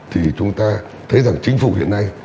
thì chúng ta thấy rằng chính phủ hiện nay